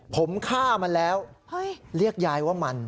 ผมฆ่ามันแล้วเรียกยายว่ามัน